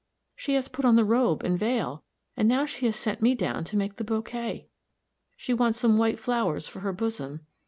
She has put on the robe and vail; and now she has sent me down to make the bouquet. She wants some white flowers for her bosom.